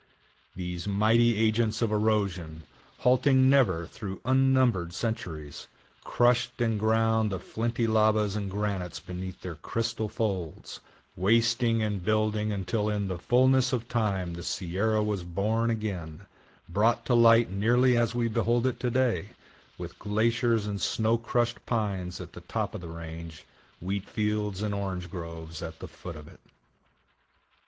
These mighty agents of erosion, halting never through unnumbered centuries, crushed and ground the flinty lavas and granites beneath their crystal folds, wasting and building until in the fullness of time the Sierra was born again, brought to light nearly as we behold it today, with glaciers and snow crushed pines at the top of the range, wheat fields and orange groves at the foot of it.